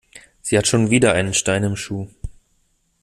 Sie hat schon wieder einen Stein im Schuh.